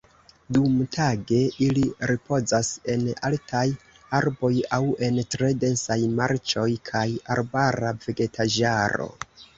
Dumtage ili ripozas en altaj arboj aŭ en tre densaj marĉoj kaj arbara vegetaĵaro.